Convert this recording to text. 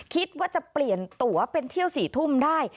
คิดว่าจะเปลี่ยนตัวเป็นเที่ยว๔ทุ่มได้